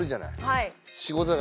はい。